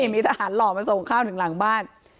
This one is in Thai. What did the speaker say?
มีทหารหล่อมาส่งข้าวถึงหลังบ้าน